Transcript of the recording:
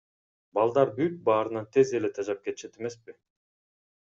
Балдар бүт баарынан эле тез тажап кетишет эмеспи.